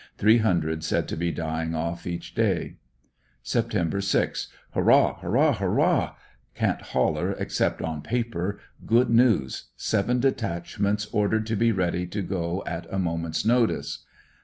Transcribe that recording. Three hundred said to be dying off each day. Sept. 6. — Hurrah! Hurrah!! Hurrah!!! Can't holler except on paper. Good news. Seven detachments ordered to be ready to go at a moment's notice.